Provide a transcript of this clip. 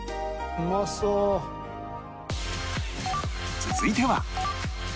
続いては